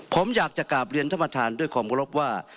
ผมอยากจะกราบเรียนท่านประธานด้วยความเคารพว่า